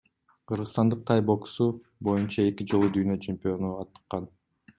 Кыргызстандык тай боксу боюнча эки жолу дүйнө чемпиону атыккан.